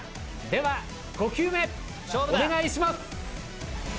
では５球目お願いします。